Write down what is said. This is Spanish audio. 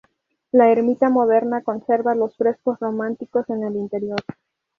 La ermita moderna conserva los frescos románicos en el interior.